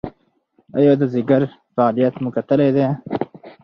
ایا د ځیګر فعالیت مو کتلی دی؟